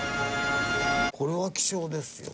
これは貴重ですよ。